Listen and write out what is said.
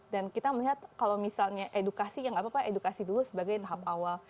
dan kita melihat kalau misalnya edukasi ya tidak apa apa edukasi dulu sebagai tahap awal